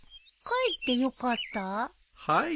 はい。